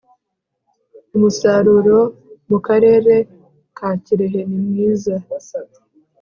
Umusaruro mu Karere ka Kirehe nimwiza